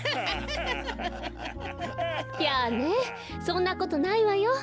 やあねそんなことないわよ。